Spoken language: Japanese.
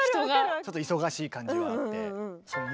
ちょっと忙しい感じはあって。